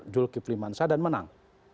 julki primansa dan menang